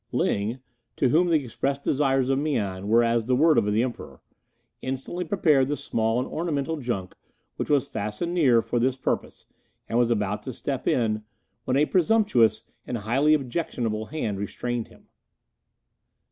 Ling, to whom the expressed desires of Mian were as the word of the Emperor, instantly prepared the small and ornamental junk which was fastened near for this purpose, and was about to step in, when a presumptuous and highly objectionable hand restrained him.